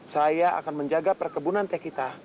saya akan menjaga perkebunan teh kita